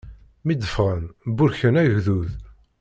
Mi d-ffɣen, burken agdud.